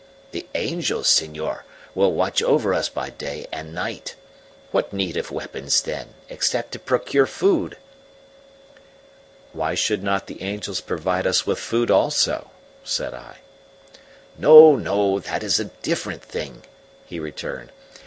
The angels, senor, will watch over us by day and night. What need of weapons, then, except to procure food?" "Why should not the angels provide us with food also?" said I. "No, no, that is a different thing," he returned.